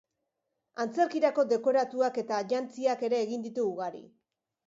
Antzerkirako dekoratuak eta jantziak ere egin ditu ugari.